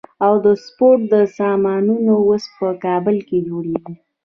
د سپورت سامانونه اوس په کابل کې جوړیږي.